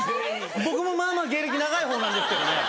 僕もまぁまぁ芸歴長いほうなんですけどね。